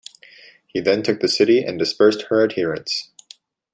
He then took the city and dispersed her adherents.